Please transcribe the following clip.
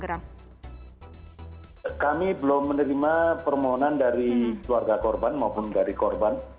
kami belum menerima permohonan dari keluarga korban maupun dari korban